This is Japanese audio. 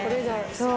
そう。